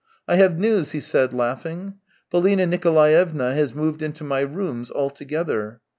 " I have news," he said, laughing. " Polina Nikolaevna has moved into my rooms altogether."